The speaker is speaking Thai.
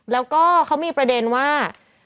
แล้วก็เขามีประเด็นว่า